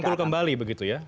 dirangkul kembali begitu ya